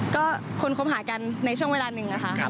ก็คนคบหากันในช่วงเวลาหนึ่งนะคะ